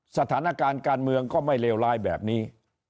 สถานการณ์การเมืองก็ไม่เลวร้ายแบบนี้